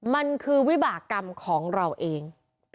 มันคือวิบากรรมของเราเอง